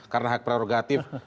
karena hak prerogatif